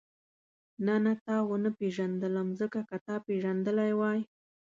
نه نه تا ونه پېژندلم ځکه که تا پېژندلې وای.